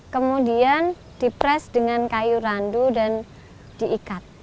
kemudian dipres dengan kayu randu dan diikat